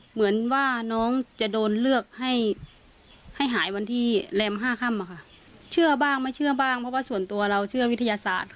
เหมือนว่าน้องจะโดนเลือกให้ให้หายวันที่แรม๕ค่ำอะค่ะเชื่อบ้างไม่เชื่อบ้างเพราะว่าส่วนตัวเราเชื่อวิทยาศาสตร์